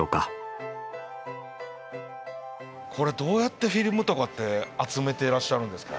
どうやってフィルムとかって集めてらっしゃるんですか？